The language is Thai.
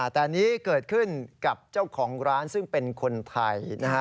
แต่อันนี้เกิดขึ้นกับเจ้าของร้านซึ่งเป็นคนไทยนะฮะ